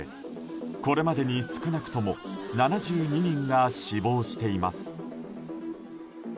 これまでに少なくとも７２人が死亡しています。